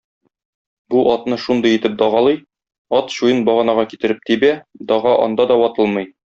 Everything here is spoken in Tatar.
Бу атны шундый итеп дагалый, ат чуен баганага китереп тибә, дага анда да ватылмый.